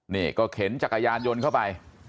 นี่ก็เข็นจักรยานยนต์เข้าไป